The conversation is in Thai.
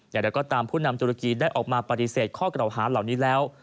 อย่างไรก็ตามผู้นำตุรกีได้ออกมาปฏิเสธข้อกล่าวหาเหล่านี้แล้ว